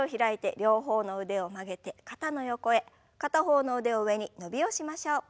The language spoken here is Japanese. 片方の腕を上に伸びをしましょう。